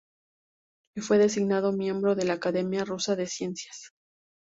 Y fue designado miembro de la Academia Rusa de Ciencias.